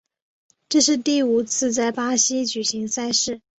这是第五次在巴西举行赛事。